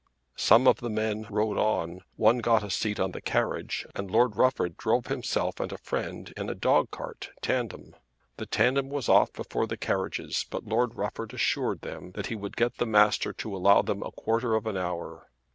Some of the men rode on; one got a seat on the carriage; and Lord Rufford drove himself and a friend in a dog cart, tandem. The tandem was off before the carriages, but Lord Rufford assured them that he would get the master to allow them a quarter of an hour.